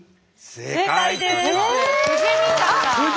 正解です。